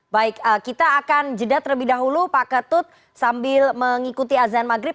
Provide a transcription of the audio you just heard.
baik kita akan jeda terlebih dahulu pak ketut sambil mengikuti azan maghrib